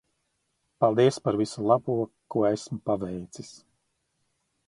Paldies par visu labo ko esmu paveicis.